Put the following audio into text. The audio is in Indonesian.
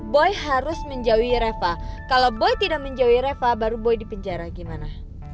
boy harus menjauhi reva kalau boy tidak menjauhi reva baru boy di penjara gimana